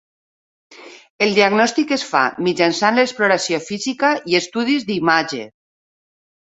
El diagnòstic es fa mitjançant l'exploració física i estudis d'imatge.